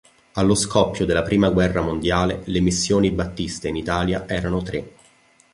Allo scoppio della prima guerra mondiale le missioni battiste in Italia erano tre.